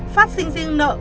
phát sinh riêng nợ